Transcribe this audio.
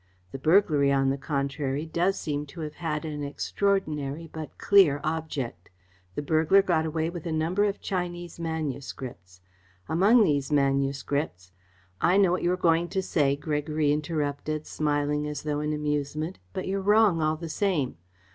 The burglary, on the contrary, does seem to have had an extraordinary but clear object. The burglar got away with a number of Chinese manuscripts. Amongst these manuscripts " "I know what you are going to say," Gregory interrupted, smiling as though in amusement, "but you're wrong, all the same.